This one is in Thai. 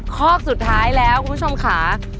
ข้อสุดท้ายแล้วคุณผู้ชมค่ะ